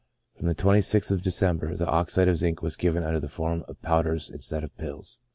(From the 26th of December, the oxide of zinc was given under the form of powders instead of pills.)